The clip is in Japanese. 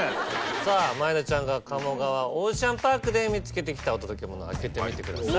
さぁ前田ちゃんが鴨川オーシャンパークで見つけてきたお届けモノ開けてみてください。